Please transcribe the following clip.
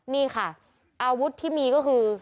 นี่ค่ะอาวุธที่มีก็คือ